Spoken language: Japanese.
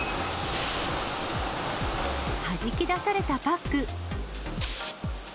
はじき出されたパック。